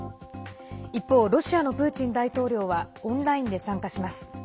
一方、ロシアのプーチン大統領はオンラインで参加します。